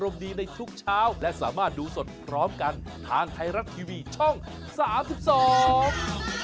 ในรับทริวิธีช่องสาธุศัพท์